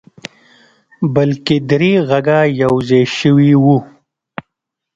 بلکې درې غږه يو ځای شوي وو.